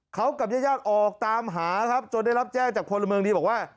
เขากับญาติออกตามหาครับจนได้รับแจ้งจากพลเมืองดีบอกว่า